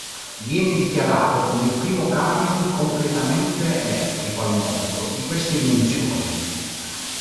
Viene dichiarato come il primo camion completamente elettrico al mondo di queste dimensioni.